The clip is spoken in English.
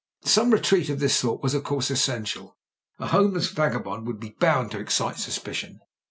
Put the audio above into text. Some retreat of this sort was, of course, essen tial. A homeless vagabond would be bound to excite suspicion.